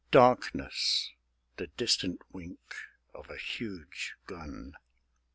Darkness: the distant wink of a huge gun.